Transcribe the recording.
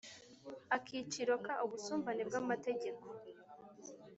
Akiciro ka ubusumbane bw amategeko